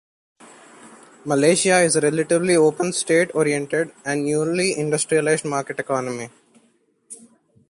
Malaysia is a relatively open state-oriented and newly industrialised market economy.